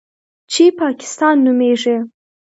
چې پاکستان نومېږي.